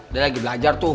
dia lagi belajar tuh